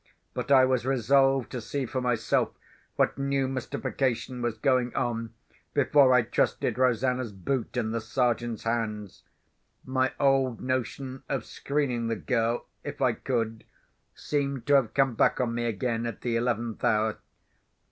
But I was resolved to see for myself what new mystification was going on before I trusted Rosanna's boot in the Sergeant's hands. My old notion of screening the girl, if I could, seemed to have come back on me again, at the eleventh hour.